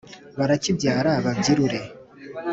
barakibyara babyirure.